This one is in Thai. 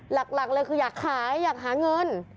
หลักเลยคืออยากขายอยากหาเงิน